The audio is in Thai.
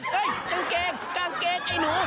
กางเกงกางเกงไอ้หนู